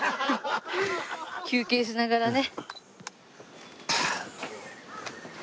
休憩しながらね。